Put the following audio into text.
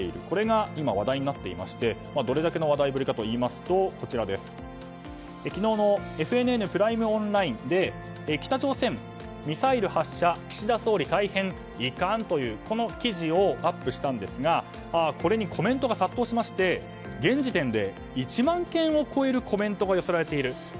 これが今、話題になっていましてどれだけの話題かといいますと昨日のＦＮＮプライムオンラインで北朝鮮ミサイル発射岸田総理、たいへん遺憾という記事をアップしたんですがこれにコメントが殺到しまして現時点で１万件を超えるコメントが寄せられている。